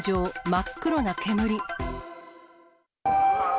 真っ黒な煙。